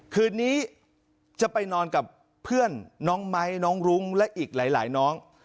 คืนนี้จะไปนอนกับเพื่อนน้องไม้น้องรุ้งและอีกหลายน้อง